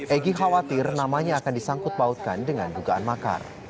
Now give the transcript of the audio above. egy khawatir namanya akan disangkut pautkan dengan dugaan makar